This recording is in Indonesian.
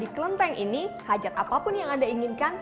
di kelenteng ini hajat apapun yang anda inginkan